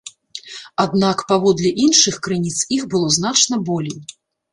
Аднак, паводле іншых крыніц, іх было значна болей.